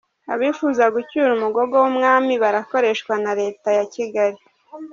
-Abifuza gucyura umugogo w’Umwami barakoreshwa na Leta ya Kigali